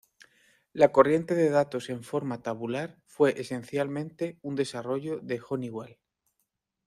La corriente de datos en forma tabular fue esencialmente un desarrollo de Honeywell.